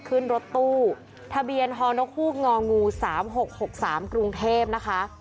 ขึ้นรถตู้ทะเบียนฮนกฮูกง๓๖๖๓กรุงเทพนะคะ